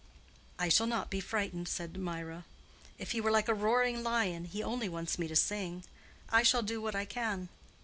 "I shall not be frightened," said Mirah. "If he were like a roaring lion, he only wants me to sing. I shall do what I can."